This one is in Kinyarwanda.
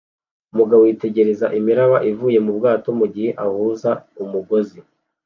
Umugabo yitegereza imiraba ivuye mu bwato igihe ahuza umugozi